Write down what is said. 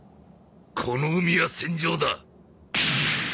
この海は戦場だ。